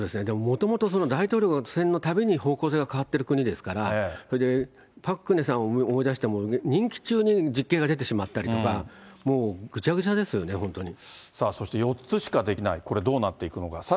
でも、もともと大統領選のたびに方向性が変わってる国ですから、それでパク・クネさんを思い出しても、任期中に実刑が出てしまったりとか、もうぐちゃぐさあ、そして４つしかできない、これ、どうなっていくのか。